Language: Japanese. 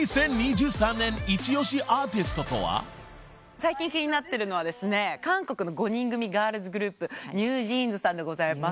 最近気になってるのは韓国の５人組ガールズグループＮｅｗＪｅａｎｓさんでございます。